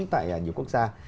tại nhiều quốc gia